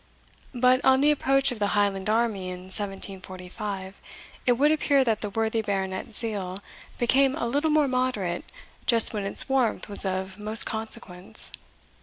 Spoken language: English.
But, on the approach of the Highland army in 1745, it would appear that the worthy baronet's zeal became a little more moderate just when its warmth was of most consequence.